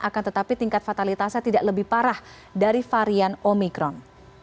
akan tetapi tingkat fatalitasnya tidak lebih parah dari varian omikron